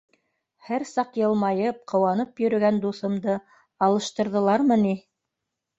Һәр саҡ йылмайып, ҡыуанып йөрөгән дуҫымды алыштырҙылармы ни!